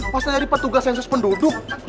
masa dari petugas sensus penduduk